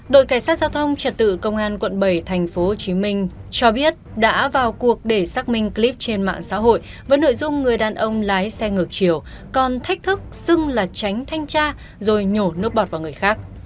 đội cảnh sát giao thông trật tự công an quận bảy tp hcm cho biết đã vào cuộc để xác minh clip trên mạng xã hội với nội dung người đàn ông lái xe ngược chiều còn thách thức xưng là tránh thanh tra rồi nhổ nước bọt vào người khác